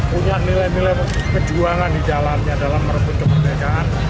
punya nilai nilai perjuangan di jalannya dalam merebut kemerdekaan